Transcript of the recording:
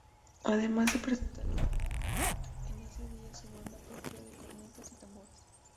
Además de presentar en ese día su banda propia de cornetas y tambores.